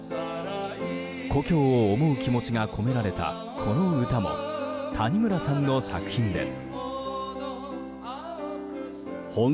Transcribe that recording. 故郷を思う気持ちが込められたこの歌も谷村さんの作品です。